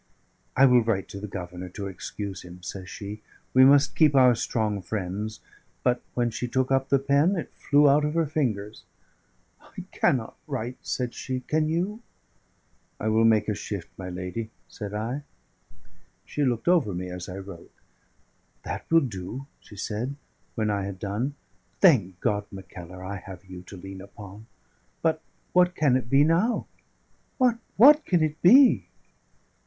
"I will write to the Governor to excuse him," says she. "We must keep our strong friends." But when she took up the pen it flew out of her fingers. "I cannot write," said she. "Can you?" "I will make a shift, my lady," said I. She looked over me as I wrote. "That will do," she said, when I had done. "Thank God, Mackellar, I have you to lean upon! But what can it be now? What, what can it be?"